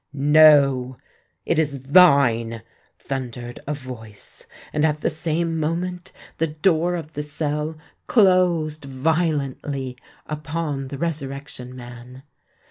"No—it is thine!" thundered a voice; and at the same moment the door of the cell closed violently upon the Resurrection Man.